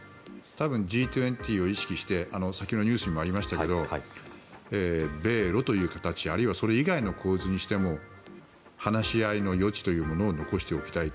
多分、Ｇ２０を意識して先ほどのニュースにもありましたが米ロという形あるいはそれ以外の構図にしても話し合いの余地というものを残しておきたい